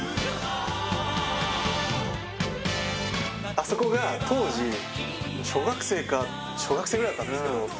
あそこが当時小学生か小学生ぐらいだったんですけどあれ